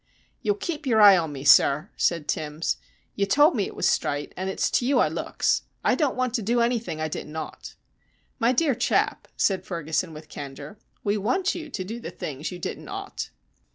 "You'll keep your eye on me, sir," said Timbs. "You told me it was strite, and it's to you I looks. I don't want to do anything I didn't ought." "My dear chap," said Ferguson, with candour, "we want you to do the things you didn't ought."